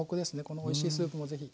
このおいしいスープも是非。